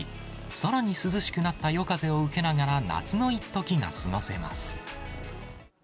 さらに涼しくなった夜風を受けながら夏のいっときが過ごせます。